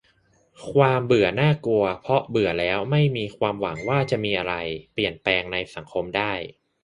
"ความเบื่อน่ากลัว เพราะเบื่อแล้วไม่มีความหวังว่าจะมีอะไรเปลี่ยนแปลงในสังคมได้"